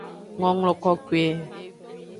Ngonglo kokoe.